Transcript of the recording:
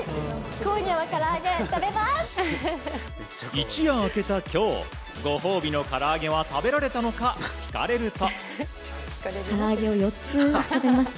一夜明けた今日ご褒美のから揚げは食べられたのか聞かれると。